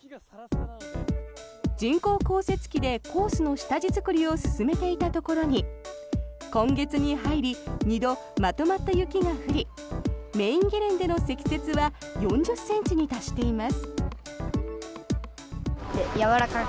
人工降雪機でコースの下地作りを進めていたところに今月に入り２度、まとまった雪が降りメインゲレンデの積雪は４０ｃｍに達しています。